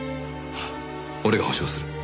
俺が保証する。